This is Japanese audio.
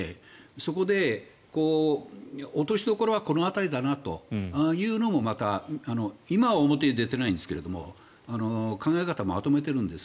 そこで落としどころはこの辺りだなというのも今は表に出てないんですが考え方をまとめているんです。